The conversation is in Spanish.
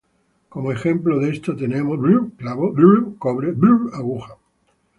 Como ejemplo de esto tenemos 釘, ‘clavo’; 銅, ‘cobre’; 針, ‘aguja’.